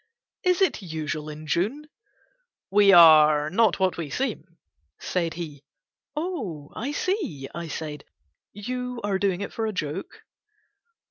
"Is it usual in June?" "We are not what we seem," said he. "Oh, I see," I said, "you are doing it for a joke."